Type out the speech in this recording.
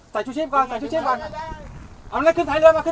สวัสดีครับทุกคน